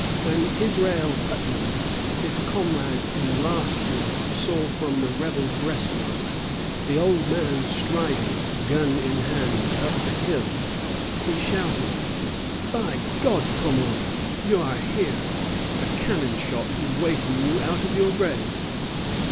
When Israel Putnam, his comrade in the last war, saw from the rebel breastwork the old man striding, gun in hand, up the hill, he shouted, "By God, Pomeroy, you here! A cannon shot would waken you out of your grave!"